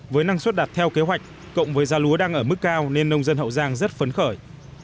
với năng suất đạt theo kế hoạch cộng với giá lúa đang ở mức cao nên nông dân hậu giang rất phấn khởi